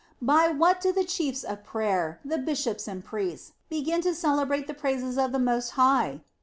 By what do the chiefs of prayer, the bish ops and priests, begin to celebrate the praises of the Most High?